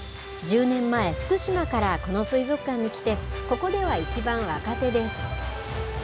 １０年前、福島からこの水族館に来て、ここでは一番若手です。